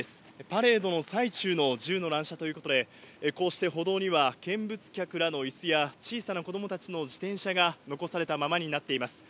パレードの最中の銃の乱射ということで、こうして歩道には、見物客らのいすや小さな子どもたちの自転車が残されたままになっています。